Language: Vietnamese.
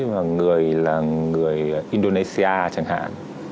và người là người indonesia chẳng hạn